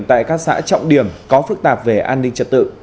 tại các xã trọng điểm có phức tạp về an ninh trật tự